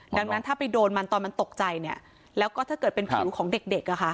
ดังนั้นถ้าไปโดนมันตอนมันตกใจเนี่ยแล้วก็ถ้าเกิดเป็นผิวของเด็ก